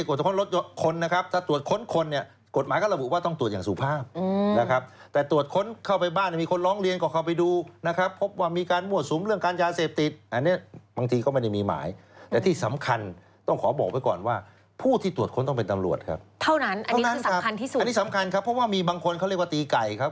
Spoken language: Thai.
อันนี้สำคัญครับเพราะว่ามีบางคนเขาเรียกว่าตีไก่ครับ